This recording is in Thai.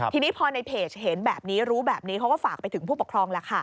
ทีนี้พอในเพจเห็นแบบนี้รู้แบบนี้เขาก็ฝากไปถึงผู้ปกครองแล้วค่ะ